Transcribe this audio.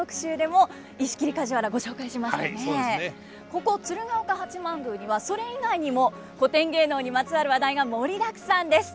ここ鶴岡八幡宮にはそれ以外にも古典芸能にまつわる話題が盛りだくさんです。